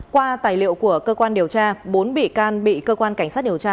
qua tài liệu của cơ quan điều tra bốn bị can bị cơ quan cảnh sát điều tra